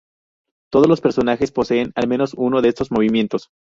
Todos los personajes poseen al menos uno de estos movimientos.